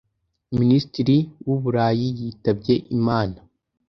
minisitiri wu burayi yitabye imana